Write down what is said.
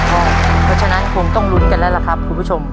เพราะฉะนั้นคงต้องลุ้นกันแล้วล่ะครับคุณผู้ชม